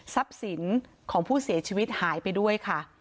สินของผู้เสียชีวิตหายไปด้วยค่ะ